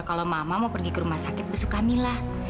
kalau mama mau pergi ke rumah sakit besok kamila